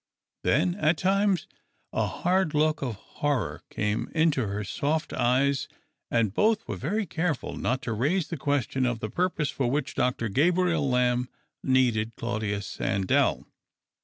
Then at times a hard look of horror came into her soft eyes, and both were very careful not to raise the question of the purpose for which Dr. Ga])riel Lamb needed Claudius Sandell.